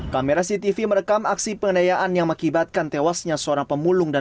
kamera ctv merekam aksi pengendayaan yang mengibatkan tewasnya seorang pemulung dan